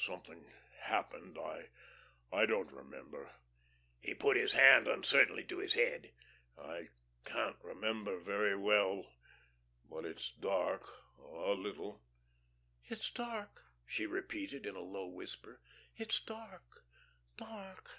Something happened.... I don't remember," he put his hand uncertainly to his head, "I can't remember very well; but it's dark a little." "It's dark," she repeated, in a low whisper. "It's dark, dark.